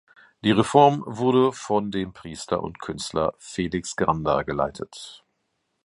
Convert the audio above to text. Die Reform wurde von dem Priester und Künstler Felix Granda geleitet.